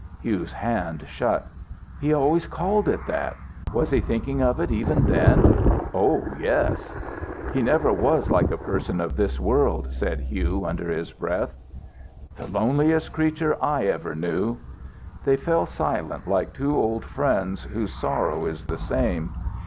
Hugh's hand shut. "He always called it that. Was he thinking of it even then?" "Oh yes!" "He never was like a person of this world," said Hugh, under his breath. "The loneliest creature I ever knew." They fell silent, like two old friends whose sorrow is the same.